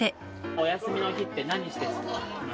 お休みの日って何してますか？